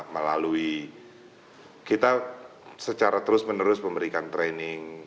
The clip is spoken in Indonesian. melalui kita secara terus menerus memberikan training